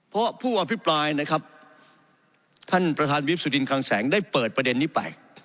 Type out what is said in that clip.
เพราะผู้อภิปรายนะครับท่านประธานวิบสุดินคลังแสงได้เปิดประเด็นนี้ไป